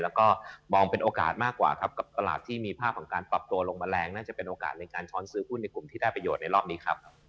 แล้วก็มองเป็นโอกาสมากกว่าครับกับตลาดที่มีภาพของการปรับตัวลงแมลงน่าจะเป็นโอกาสในการช้อนซื้อหุ้นในกลุ่มที่ได้ประโยชน์ในรอบนี้ครับ